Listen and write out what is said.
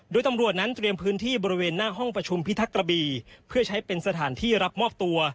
โดยตำรวจนั้นเตรียมพื้นที่บริเวณหน้าห้องประชุมพิทักษ์กระบีเพื่อใช้เป็นสถานที่รับมอบตัว